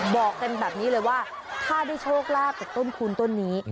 บอกกันแบบนี้เลยว่าถ้าได้โชคลาภจากต้นคูณต้นนี้